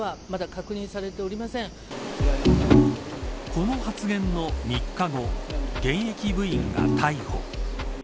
この発言の３日後現役部員が逮捕。